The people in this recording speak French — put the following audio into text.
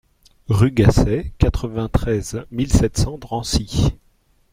Rue Gasset, quatre-vingt-treize mille sept cents Drancy